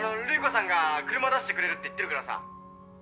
瑠衣子さんが車出してくれるって言ってるからさ。